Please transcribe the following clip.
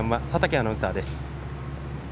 佐竹アナウンサーです。